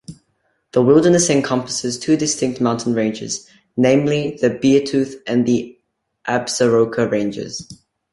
The wilderness encompasses two distinct mountain ranges, namely the Beartooth and Absaroka ranges.